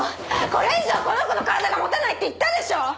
これ以上この子の体が持たないって言ったでしょ！